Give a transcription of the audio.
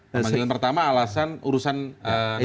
pemanggilan pertama alasan urusan